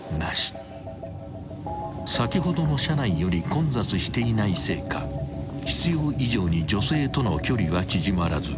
［先ほどの車内より混雑していないせいか必要以上に女性との距離は縮まらず］